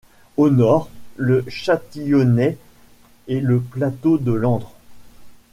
Au nord, le Châtillonnais et le Plateau de Langres.